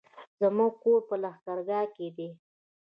زموږ کور په لښکرګاه کی دی